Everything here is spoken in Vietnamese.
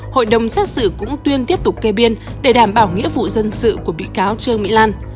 hội đồng xét xử cũng tuyên tiếp tục kê biên để đảm bảo nghĩa vụ dân sự của bị cáo trương mỹ lan